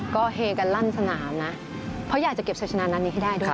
ก็เฮกันลั่นสนามนะเพราะอยากจะเก็บชัยชนะนัดนี้ให้ได้ด้วย